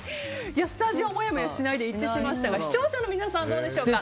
スタジオ、もやもやしないで一致しましたが視聴者の皆さんはどうでしょうか。